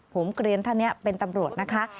ผมเกลียนท่านนี้เป็นตำรวจนะคะ